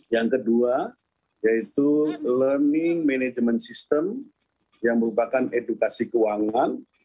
yang kedua yaitu learning management system yang merupakan edukasi keuangan